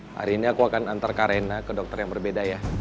hari ini aku akan antar karena ke dokter yang berbeda ya